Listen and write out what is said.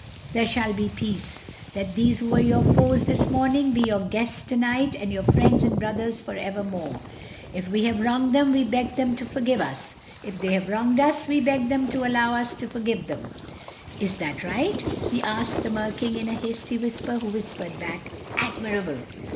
"There shall be peace. Let these who were your foes this morning be your guests tonight and your friends and brothers for evermore. If we have wronged them, we beg them to forgive us: if they have wronged us, we beg them to allow us to forgive them." ("Is that right?" he asked the Mer King in a hasty whisper, who whispered back, "Admirable!")